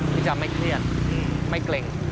ที่จะไม่เครียดไม่เกร็ง